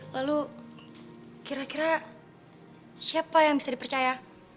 lalu kira kira siapa yang bisa dipercaya